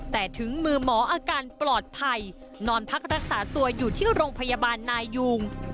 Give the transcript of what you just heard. แต่ถึงมือหมออาการปลอดภัยนอนพักรักษาตัวอยู่ที่โรงพยาบาลนายุง